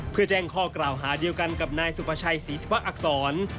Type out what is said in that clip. เพื่อแจ้งข้อกล่าวหาเดียวกันกับนายสุภาชัยศรีสุภะอักษร